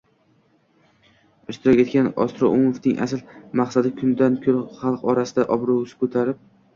ishtirok etgan Ostroumofning asl maqsadi kundan kun xalq orasida obro'si ortib